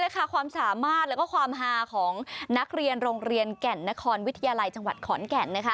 ความสามารถและความฮาของนักเรียนโรงเรียนแก่นนครวิทยาลัยจังหวัดขอนแก่น